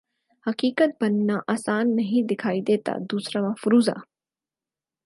حقیقت بننا آسان نہیں دکھائی دیتا دوسرا مفروضہ